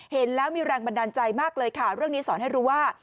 เห็นแล้วมีแรงบันดาลใจมากเลยค่ะเรื่องนี้สอนให้รู้ว่า